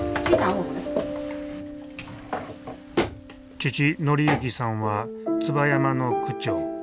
父紀幸さんは椿山の区長。